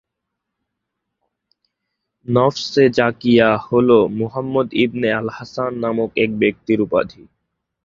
নফস-এ-জাকিয়াহ হল Muhammad ibn al Hasan নামক এক ব্যক্তির উপাধি।